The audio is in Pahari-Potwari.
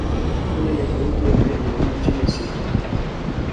انیں نے گروپ نی بڑی دھوم مچی نی سی